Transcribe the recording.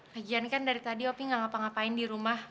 lagi kan kan dari tadi opi nggak ngapa ngapain di rumah